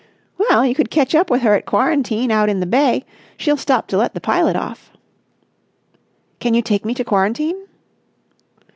"Well, you could ketch up with her at quarantine out in the bay. She'll stop to let the pilot off." "Can you take me to quarantine?"